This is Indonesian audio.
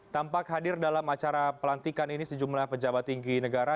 tampak hadir dalam acara pelantikan ini sejumlah pejabat tinggi negara